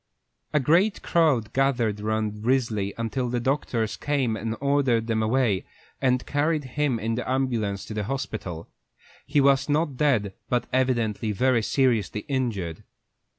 A great crowd gathered around Risley until the doctors came and ordered them away, and carried him in the ambulance to the hospital. He was not dead, but evidently very seriously injured.